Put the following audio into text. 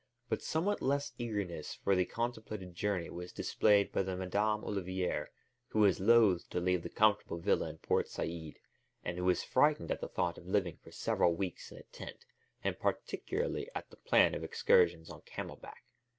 But somewhat less eagerness for the contemplated journey was displayed by Madame Olivier who was loath to leave the comfortable villa in Port Said and who was frightened at the thought of living for several weeks in a tent, and particularly at the plan of excursions on camel back.